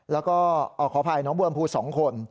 แล้วก็ขออภัยน้องบัวลำพู๒คน